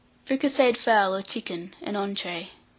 FRICASSEED FOWL OR CHICKEN (an Entree).